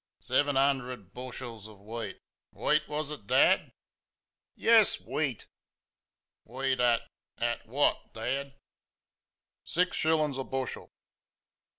"Seven 'un dered bush els of wheat WHEAT was it, Dad?" "Yes, WHEAT!" "Wheat at...At WHAT, Dad?" "Six shillings a bushel."